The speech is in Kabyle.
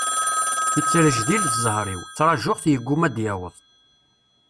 Yettrejdil zher-iw, ttrajuɣ-t, yegguma ad d-yaweḍ.